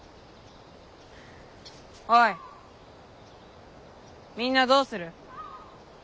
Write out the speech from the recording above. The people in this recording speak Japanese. おいみんなどうする？